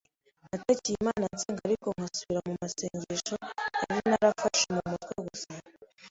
natakiye Imana nsenga ariko nkasubiramo amasengesho nari narafashe mu mutwe gusa.